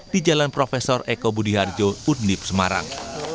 di jalan prof eko budi harjo undip semarang